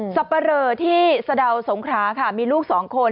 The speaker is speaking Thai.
สัปดาห์ที่สเดาสงคราค่ะมีลูกสองคน